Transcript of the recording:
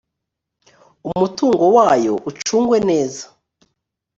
umutungo wayo ucungwe neza